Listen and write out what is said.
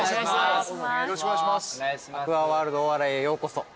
アクアワールド大洗へようこそ。